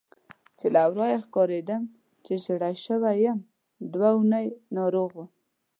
چې له ورایه ښکارېدل چې ژېړی شوی یم، دوه اونۍ ناروغ وم.